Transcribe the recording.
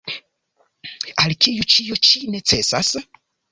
Al kiu ĉio ĉi necesas?